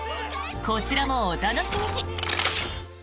こちらもお楽しみに！